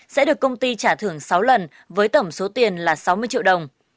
sẽ được công ty trả thưởng sáu lần với tổng số tiền là sáu mươi triệu đồng